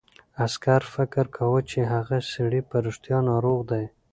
عسکر فکر کاوه چې هغه سړی په رښتیا ناروغ دی.